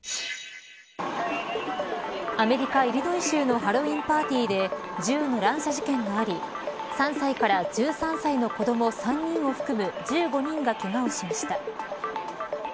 アメリカ、イリノイ州のハロウィーンパーティーで銃の乱射事件があり３歳から１３歳の子ども３人を含む１５人がけがをしました。